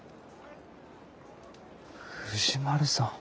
藤丸さん。